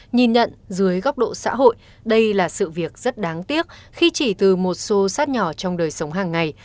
nhìn nhận dưới góc độ xã hội đây là sự việc rất đáng tiếc khi chỉ từ một xô sát nhỏ trong đời sống hàng ngày